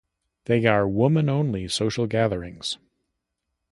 They are women-only social gatherings.